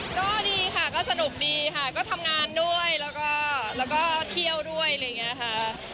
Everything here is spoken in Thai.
ก็ดีค่ะก็สนุกดีค่ะก็ทำงานด้วยแล้วก็เที่ยวด้วยอะไรอย่างนี้ค่ะ